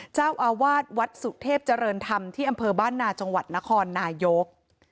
เจ้าอาวาสวัดสุเทพเจริญธรรมที่อำเภอบ้านนาจังหวัดนครนายก